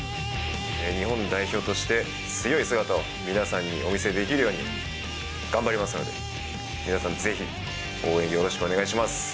日本代表として、強い姿を皆さんにお見せできるように、頑張りますので、皆さん、ぜひ応援よろしくお願いします。